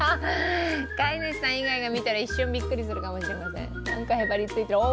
飼い主さん以外が見たら一瞬びっくりするかも。